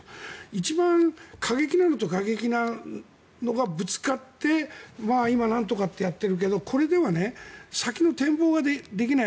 一番過激なのと過激なのがぶつかって今なんとかとやってるけどこれでは先の展望ができない。